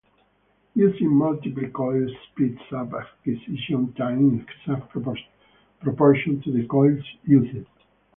Using multiple coils speeds up acquisition time in exact proportion to the coils used.